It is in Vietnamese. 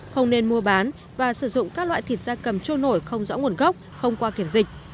không nên mua bán và sử dụng các loại thịt da cầm trôi nổi không rõ nguồn gốc không qua kiểm dịch